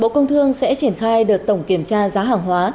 bộ công thương sẽ triển khai đợt tổng kiểm tra giá hàng hóa